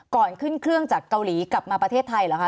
ก่อนขึ้นเครื่องจากเกาหลีกลับมาประเทศไทยเหรอคะ